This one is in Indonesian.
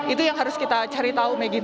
itu yang harus kita cari tahu maggie